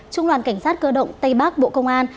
trung đoàn cảnh sát cơ động tây bắc bộ công an